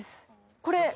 これ。